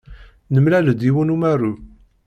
Nemlal-d yiwen umaru.